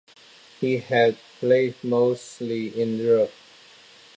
He has played mostly in Europe.